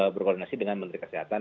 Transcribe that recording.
berkoordinasi dengan menteri kesehatan